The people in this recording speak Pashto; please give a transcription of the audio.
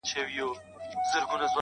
ملا صاحب دې گرځي بې ايمانه سرگردانه~